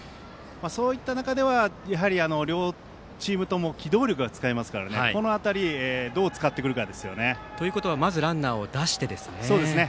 そういった中では両チームとも機動力を使いますからこの辺り、どう使ってくるか。ということはまずランナーを出して。